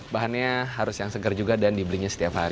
bahannya harus yang segar juga dan dibelinya setiap hari